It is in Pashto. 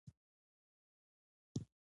بيا د مزغو پۀ دوايانو کېدے شي